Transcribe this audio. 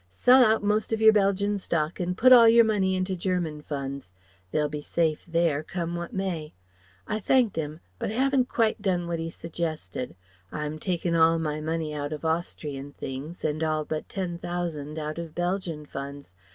Sell out most of yer Belgian stock and put all your money into German funds. They'll be safe there, come what may.' I thanked 'im; but I haven't quite done what he suggested. I'm takin' all my money out of Austrian things and all but Ten thousand out of Belgian funds.